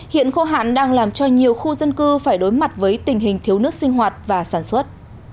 hiện khô hạn đang làm cho nhiều khu dân cư phải đối mặt với tình hình thiếu nước sinh hoạt và sản xuất